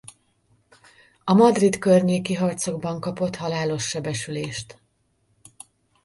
A Madrid-környéki harcokban kapott halálos sebesülést.